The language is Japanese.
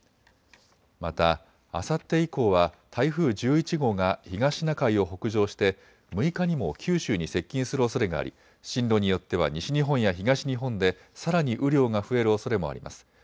また、あさって以降は台風１１号が東シナ海を北上して６日にも九州に接近するおそれがあり進路によっては西日本や東日本でさらに雨量が増えるおそれもあります。